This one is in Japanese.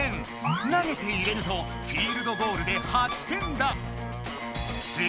投げて入れるとフィールドゴールで８点だ！